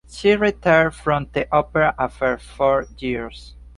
She retired from the opera after four years.